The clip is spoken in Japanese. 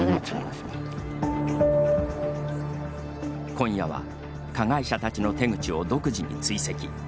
今夜は加害者たちの手口を独自に追跡。